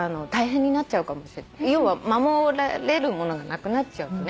要は守られるものがなくなっちゃうとね。